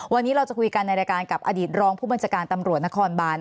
วันนี้เราจะคุยกันในรายการกับอดีตรองผู้บัญชาการตำรวจนครบาน